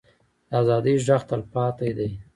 د ازادۍ غږ تلپاتې دی